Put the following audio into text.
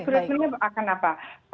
regulasi akan apa